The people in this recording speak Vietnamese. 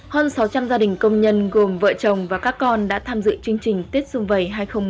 hơn sáu trăm linh gia đình công nhân gồm vợ chồng và các con đã tham dự chương trình tết xuân vầy hai nghìn một mươi chín